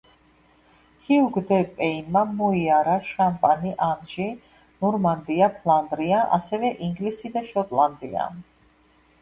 ჰიუგ დე პეინმა მოიარა შამპანი, ანჟი, ნორმანდია, ფლანდრია, ასევე ინგლისი და შოტლანდია.